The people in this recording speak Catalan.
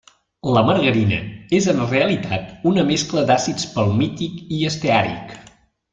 La margarina és en realitat una mescla d'àcids palmític i esteàric.